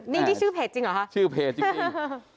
นี่นี่ชื่อเพจจริงเหรอคะชื่อเพจจริง